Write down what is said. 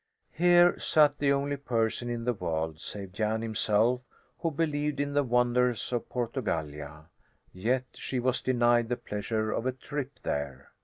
Here sat the only person in the world, save Jan himself, who believed in the wonders of Portugallia, yet she was denied the pleasure of a trip there.